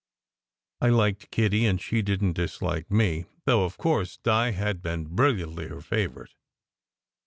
I liked Kitty, and she didn t dislike me, though, of course, Di had been brilliantly her favourite.